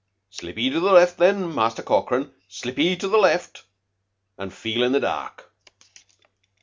"Slip 'ee to the left, then, Muster Corkran. Slip 'ee to the left, an' feel in the dark."